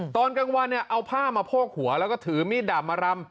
ตอนกลางวันเนี่ยเอาผ้ามาโพกหัวแล้วก็ถือมีดดาบมารำ